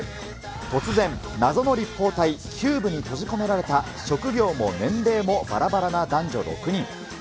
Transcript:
突然、謎の立方体、ＣＵＢＥに閉じ込められた、職業も年齢もばらばらな男女６人。